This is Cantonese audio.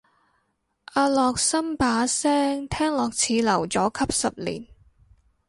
阿樂琛把聲聽落似留咗級十年